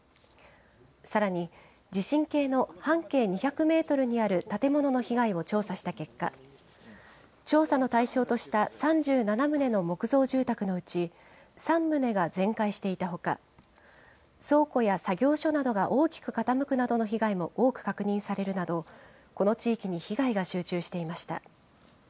さらに、地震計の半径２００メートルにある建物の被害を調査した結果、調査の対象とした３７棟の木造住宅のうち、３棟が全壊していたほか、倉庫や作業所などが大きく傾くなどの被害も多く確認されるなど、この地域に被害が集中していました。